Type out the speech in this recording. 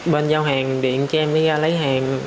bên giao hàng điện cho em mới ra lấy hàng